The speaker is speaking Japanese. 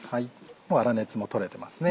もう粗熱もとれてますね。